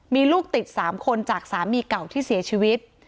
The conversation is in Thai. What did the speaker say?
มีลูกติด๓คนจากสามีเก่าที่เสียชีวิต